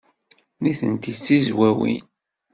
Nitenti d Tizwawin.